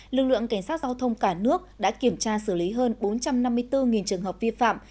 lực lượng cảnh sát giao thông cả nước đã kiểm tra xử lý hơn bốn trăm năm mươi bốn trường hợp vi phạm